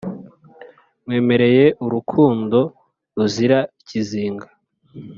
nkwemereye urukundo ruzira ikizinga,